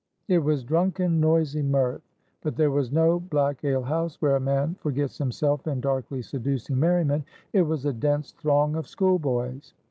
It was drunken, noisy mirth; but there was no black ale house, where a man forgets himself in darkly seducing merriment: it was a dense throng of schoolboys.